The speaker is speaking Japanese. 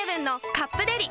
「カップデリ」